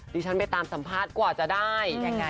ดิฉันไปตามสัมภาษณ์กว่าจะได้